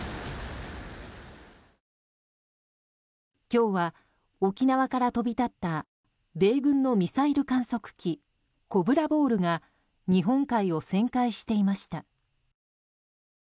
今日は、沖縄から飛び立った米軍のミサイル観測機コブラボールが日本海を旋回していました。